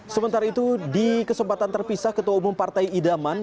sementara itu di kesempatan terpisah ketua umum partai idaman